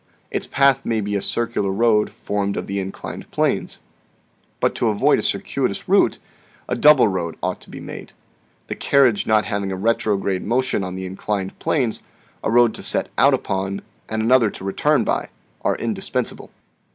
Its path may be a circular road formed of the inclined planes. But to avoid a circuitous route, a double road ought to be made. The carriage not having a retrograde motion on the inclined planes, a road to set out upon, and another to return by, are indispensable."